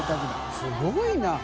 すごいな。